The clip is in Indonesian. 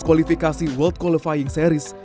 kualifikasi world qualifying series